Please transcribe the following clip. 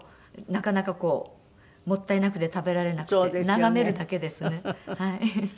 なかなかもったいなくて食べられなくて眺めるだけですねはい。